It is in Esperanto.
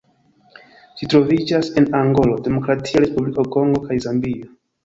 Ĝi troviĝas en Angolo, Demokratia Respubliko Kongo kaj Zambio.